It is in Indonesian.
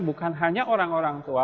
bukan hanya orang orang tua